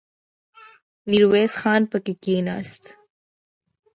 ميرويس خان پکې کېناست.